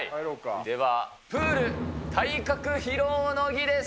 では、プール体格披露の儀です。